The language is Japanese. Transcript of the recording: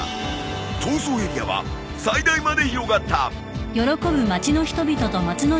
［逃走エリアは最大まで広がった］